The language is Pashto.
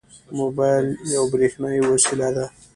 موبایل یوه برېښنایي وسیله ده.